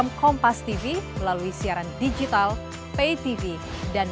apa level kabupaten kota madiak